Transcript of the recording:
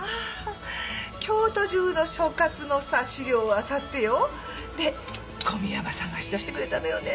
京都中の所轄のさ資料をあさってよで小宮山探し出してくれたのよね。